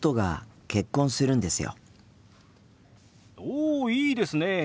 おいいですねえ。